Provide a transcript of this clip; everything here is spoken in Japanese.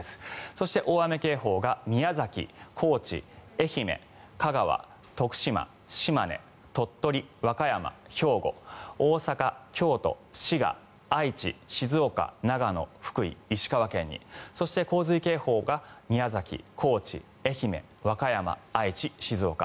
そして大雨警報が宮崎、高知、愛媛香川、徳島、島根、鳥取和歌山、兵庫、大阪、京都、滋賀愛知静岡、長野、福井、石川県にそして、洪水警報が宮崎、高知、愛媛和歌山、愛知、静岡。